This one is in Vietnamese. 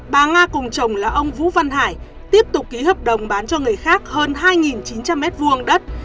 bà nga cùng chồng là ông vũ văn hải tiếp tục ký hợp đồng bán cho người khác hơn hai chín trăm linh m hai đất